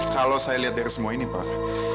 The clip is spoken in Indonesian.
kalau saya lihat dari semua ini pak